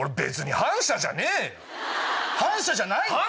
反社じゃねえよ！